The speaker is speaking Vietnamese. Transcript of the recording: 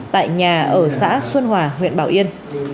tại nhà ở xã xuân hòa huyện bảo yên